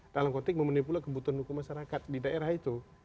dalam konteks memanipulasi kebutuhan hukum masyarakat di daerah itu